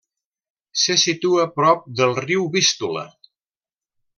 Se situa prop del riu Vístula.